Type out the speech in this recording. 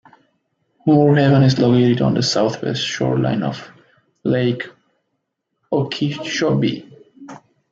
Moore Haven is located on the southwest shoreline of Lake Okeechobee.